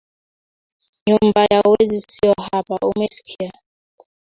nyumba ya wezi sio hapa umeskia?